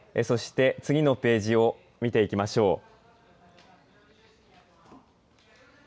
そして次のページを見ていきましょう。